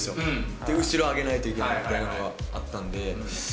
で、後ろ上げないといけないというのがあったんで。